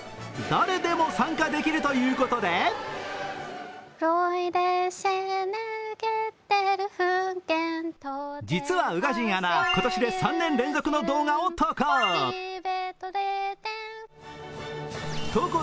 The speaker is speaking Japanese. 誰でも参加できるということで実は宇賀神アナ、今年で３年連続の動画を投稿。